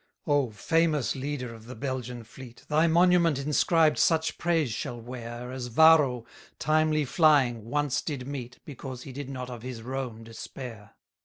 194 O famous leader of the Belgian fleet, Thy monument inscribed such praise shall wear, As Varro, timely flying, once did meet, Because he did not of his Rome despair.